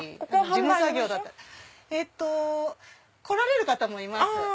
来られる方もいます。